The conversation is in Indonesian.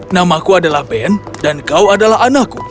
namaku adalah ben dan kau adalah anakku